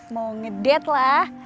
mau ngedate lah